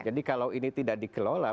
jadi kalau ini tidak dikelola